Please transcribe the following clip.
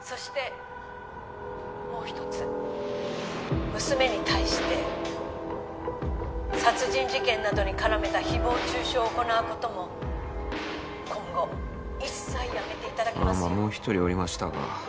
そしてもう一つ娘に対して殺人事件などに絡めた誹謗中傷を行うことも今後一切やめてああまっもう一人おりましたか